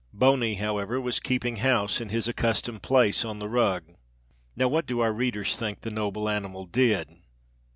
Boney, however, was keeping house in his accustomed place on the rug. Now, what do our readers think the noble animal did.